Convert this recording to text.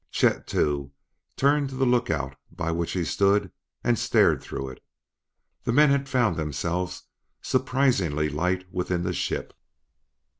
Chet, too, turned to the lookout by which he stood and stared through it. The men had found themselves surprisingly light within the ship.